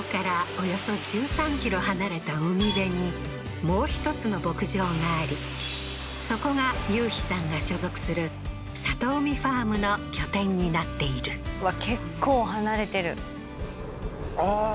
およそ１３ｋｍ離れた海辺にもう一つの牧場がありそこが雄飛さんが所属するさとうみファームの拠点になっているうわ